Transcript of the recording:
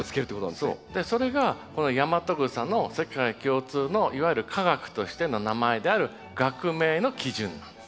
それがこのヤマトグサの世界共通のいわゆる科学としての名前である学名の基準なんですね。